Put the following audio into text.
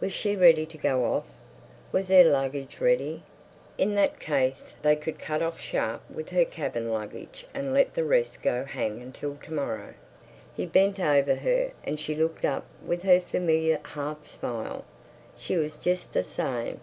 Was she ready to go off. Was her luggage ready? In that case they could cut off sharp with her cabin luggage and let the rest go hang until to morrow. He bent over her and she looked up with her familiar half smile. She was just the same.